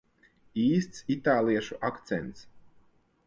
Īsts itāliešu akcents.